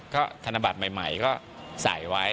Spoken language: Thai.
ก็ธนบัตรใหม่ก็ใส่ไว้